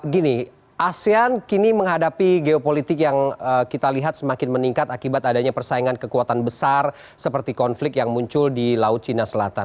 gini asean kini menghadapi geopolitik yang kita lihat semakin meningkat akibat adanya persaingan kekuatan besar seperti konflik yang muncul di laut cina selatan